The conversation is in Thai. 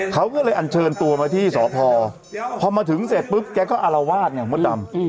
เขาก็เลยอันเชิญตัวมาที่สพพอมาถึงเสร็จปุ๊บแกก็อารวาสไงมดดำ